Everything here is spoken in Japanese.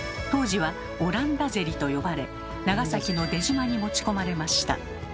当時は「オランダゼリ」と呼ばれ長崎の出島に持ち込まれました。